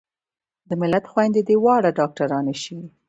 د ملت خويندې دې واړه ډاکترانې شي